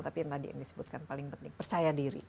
tapi yang tadi yang disebutkan paling penting percaya diri